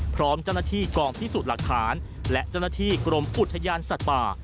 พร้อมเจ้าหน้าที่กองพิสูจน์หลักฐานและเจ้าหน้าที่กรมอุทยานสัตว์ป่า